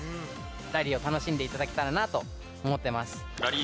ラリーを楽しんで頂けたらなと思ってます。